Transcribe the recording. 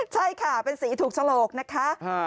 ใช่ค่ะเป็นสีถูกฉลกนะคะ